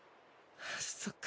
そっか。